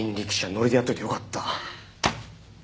ノリでやっといてよかった。